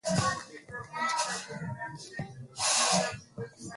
Robert ni kijana mfupi sana